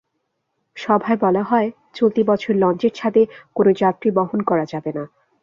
সভায় বলা হয়, চলতি বছর লঞ্চের ছাদে কোনো যাত্রী বহন করা যাবে না।